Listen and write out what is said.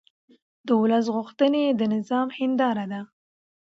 د ولس غوښتنې د نظام هنداره ده